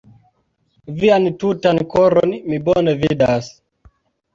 Vian tutan koron mi bone vidas.